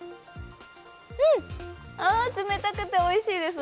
うん、あ冷たくておいしいです。